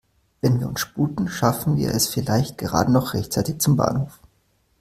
Wenn wir uns sputen, schaffen wir es vielleicht gerade noch rechtzeitig zum Bahnhof.